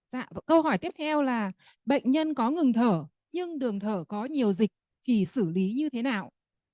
dạ câu hỏi tiếp theo là bệnh nhân có ngừng thở nhưng đường thở có nhiều dịch thì xử lý như thế nào